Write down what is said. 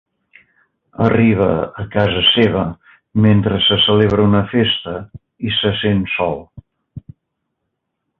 Arriba a casa seva mentre se celebra una festa i se sent sol.